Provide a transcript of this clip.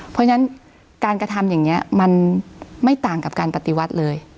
เพราะฉะนั้นการกระทำอย่างนี้มันไม่ต่างกับการปฏิวัติเลย